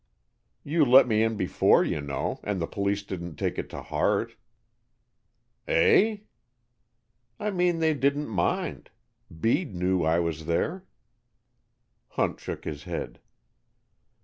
"You let me in before, you know, and the police didn't take it to heart." "Eh?" "I mean they didn't mind. Bede knew I was there." Hunt shook his head.